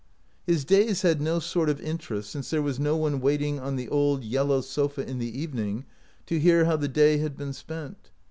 His days had no sort of interest since there was no one waiting on the old, yellow sofa in the evening to hear how the day had been spent.